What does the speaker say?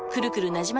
なじま